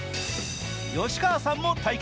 吉川さんも体験。